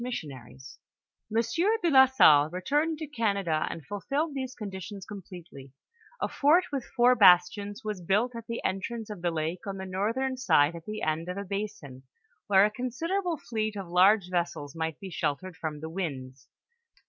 80 Monsieur de la Salle returned to Canada and fulfilled these conditions completely ; a fort with four bastions was built at the entrance of the lake on the northern side at the end of a basin, where a considerable fleet of large vessels might be sheltered from the winds.